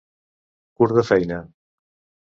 Curt de feina.